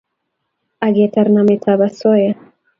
Ak ketar nametab osoya